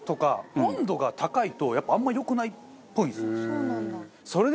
そうなんだ。